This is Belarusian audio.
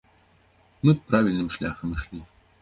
Мы правільным шляхам ішлі.